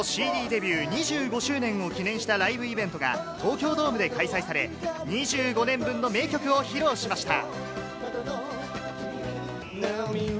デビュー２５周年を記念したライブイベントが、東京ドームで開催され、２５年分の名曲を披露しました。